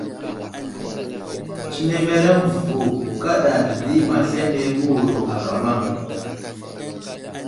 Tsenemereŋ avo kaɗa dedi ma aslane məwuro akama.